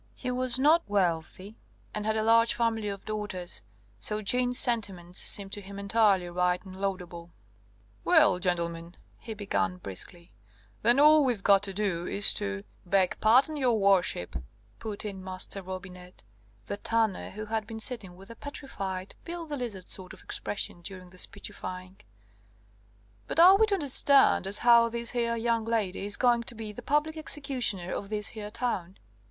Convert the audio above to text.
He was not wealthy, and had a large family of daughters; so Jeanne's sentiments seemed to him entirely right and laudable. "Well, gentlemen," he began briskly, "then all we've got to do, is to " "Beg pardon, your worship," put in Master Robinet, the tanner, who had been sitting with a petrified, Bill the Lizard sort of expression during the speechifying: "but are we to understand as how this here young lady is going to be the public executioner of this here town?"